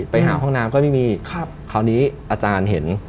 ไปหาห้องน้ำก็ไม่มีคราวนี้อาจารย์เห็น